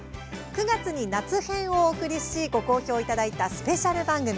９月に夏編をお送りしご好評をいただいたスペシャル番組。